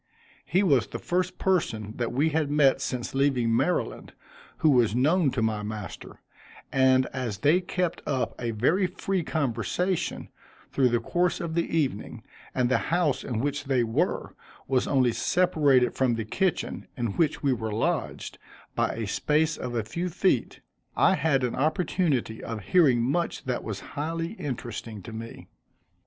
He was the first person that we had met since leaving Maryland, who was known to my master, and as they kept up a very free conversation, through the course of the evening, and the house in which they were, was only separated from the kitchen, in which we were lodged, by a space of a few feet, I had an opportunity of hearing much that was highly interesting to me.